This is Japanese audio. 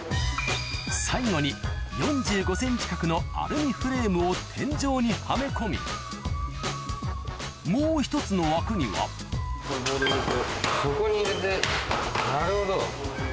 最後に４５ｃｍ角のアルミフレームを天井にはめ込みもう１つの枠にはそこに入れてなるほど。